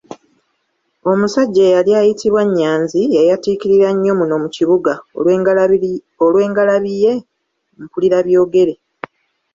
Omusajja eyali ayiytibwa Nnyanzi yayatiikirira nnyo muno mu kibuga olw’engalabi ye Mpulirabyogere.